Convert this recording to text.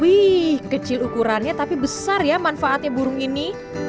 wih kecil ukurannya tapi besar ya manfaatnya burung ini